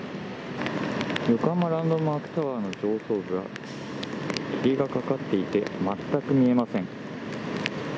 横浜ランドマークタワーの上層部は、霧がかかっていて、全く見えません。